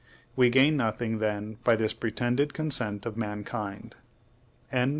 We gain nothing, then, by this pretended consent of mankind. % 3.